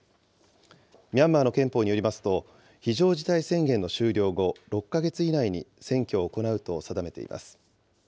ミャンマーの憲法によりますと、非常事態宣言の終了後、６か月以内に選挙を行うと定めています。